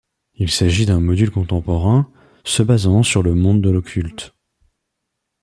Il s'agit d'un module contemporain, se basant sur le monde de l'occulte.